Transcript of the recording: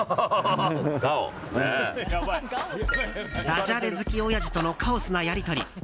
ダジャレ好き親父とのカオスなやり取り。